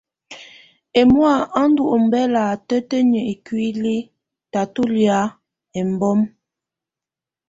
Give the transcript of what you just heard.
Ɛmɔ̀á yɛ̀ ndù ɔmbɛla tǝtǝniǝ́ ikuili ù tà tù lɛ̀á ɛmbɔma.